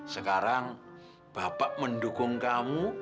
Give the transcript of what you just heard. sekarang bapak mendukung kamu